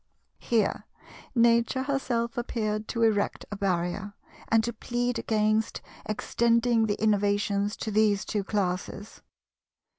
Here Nature herself appeared to erect a barrier, and to plead against extending the innovations to these two classes.